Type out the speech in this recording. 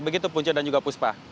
begitu punca dan juga puspa